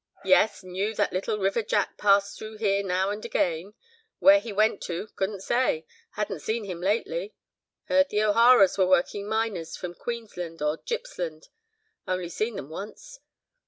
Yes! knew that Little River Jack passed through here now and again. Where he went to—couldn't say—hadn't seen him lately. Heard the O'Haras were working miners from Queensland or Gippsland—only seen them once.